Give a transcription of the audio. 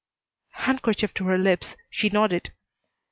Handkerchief to her lips, she nodded.